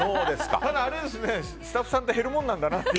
ただ、スタッフさんって減るものなんだなって。